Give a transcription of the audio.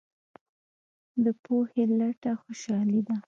د پوهې لټه خوشحالي ده.